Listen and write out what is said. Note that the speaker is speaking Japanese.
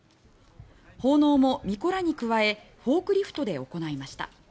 奉納もみこらに加えフォークリフトで行いました。